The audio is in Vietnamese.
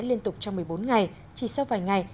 liên tục trong một mươi bốn ngày chỉ sau vài ngày